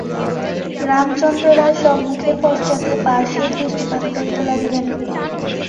রামচন্দ্র রায় সম্মুখে পশ্চাতে পার্শ্বে দৃষ্টিপাত করিতে লাগিলেন।